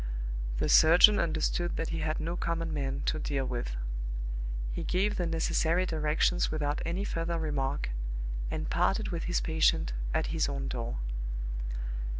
The surgeon understood that he had no common man to deal with. He gave the necessary directions without any further remark, and parted with his patient at his own door.